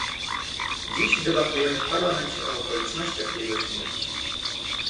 Dziś debatujemy w Parlamencie o okolicznościach jego śmierci